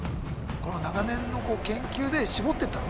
長年の研究で絞ってったのね